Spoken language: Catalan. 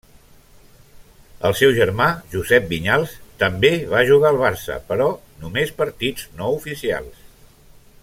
El seu germà Josep Vinyals també va jugar al Barça però només partits no oficials.